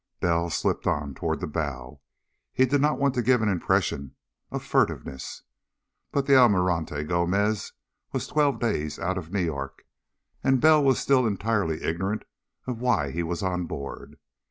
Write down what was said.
Bell slipped on toward the bow. He did not want to give an impression of furtiveness, but the Almirante Gomez was twelve days out of New York and Bell was still entirely ignorant of why he was on board.